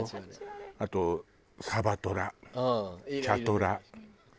あとサバトラ茶トラ。